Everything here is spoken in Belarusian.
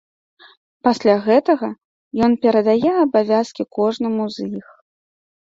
Пасля гэтага ён перадае абавязкі кожнаму з іх.